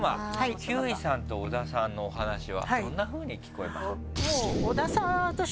ひゅーいさんと小田さんのお話はどんなふうに聞こえました？